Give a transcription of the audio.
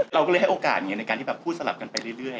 เราก็เลยให้โอกาสในการที่แบบพูดสลับกันไปเรื่อย